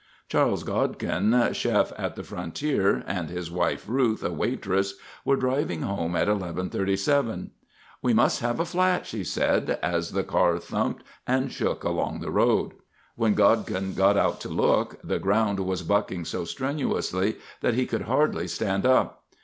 Charles Godkin, chef at the Frontier, and his wife, Ruth, a waitress, were driving home at 11:37. "We must have a flat," she said as the car thumped and shook along the road. When Godkin got out to look, the ground was bucking so strenuously that he could hardly stand up.